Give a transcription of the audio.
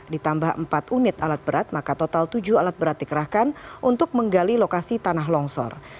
ditambah empat unit alat berat maka total tujuh alat berat dikerahkan untuk menggali lokasi tanah longsor